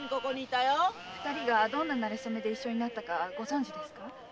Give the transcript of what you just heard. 二人がどんな馴れ初めで一緒になったかご存じですか？